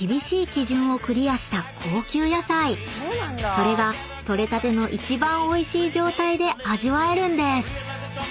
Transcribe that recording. ［それが取れたての一番おいしい状態で味わえるんです］